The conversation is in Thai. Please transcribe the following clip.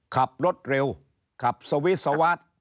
ขับรถเร็วขับสวิสวาส